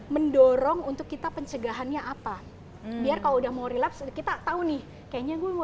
mendorong untuk kita pencegahannya apa biar kalau udah mau relapse kita tahu nih kayaknya gue mau